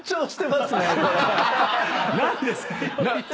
何ですか？